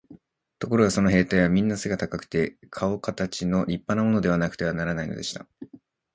ところがその兵隊はみんな背が高くて、かおかたちの立派なものでなくてはならないのでした。